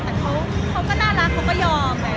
แต่เขาก็น่ารักเขาก็ยอม